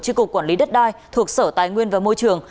tri cục quản lý đất đai thuộc sở tài nguyên và môi trường